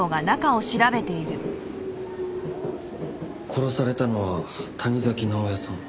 殺されたのは谷崎直哉さん。